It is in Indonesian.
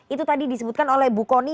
itu tadi disebutkan oleh bu kony